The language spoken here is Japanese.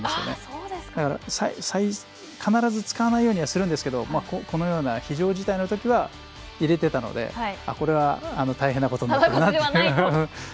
なので必ず使わないようにはするんですけどこのような非常事態のときは入れていたのでこれは大変なことだなと。